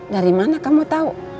dari mana kamu tahu